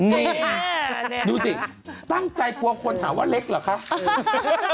นี่ดูสิตั้งใจปวดควรถามว่าเล็กหรือครับ